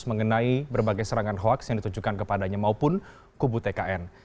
mengenai berbagai serangan hoaks yang ditujukan kepadanya maupun kubu tkn